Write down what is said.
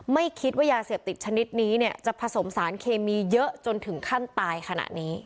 ไม่คิดว่ายาเสพติดชนิดนี้เนี่ยจะผสมสารเคมีเยอะจนถึงขั้นตายขนาดนี้